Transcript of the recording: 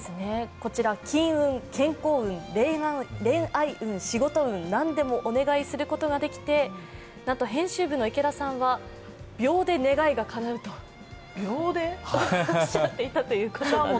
こちら金運、健康運、恋愛運、仕事運、なんでもお願いすることができてなんと編集部の池田さんは秒で願いがかなうとおっしゃっていたということなんです。